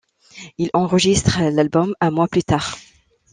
Ils enregistrent l'album un mois plus tard.